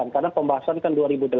karena pembahasan kan dua ribu delapan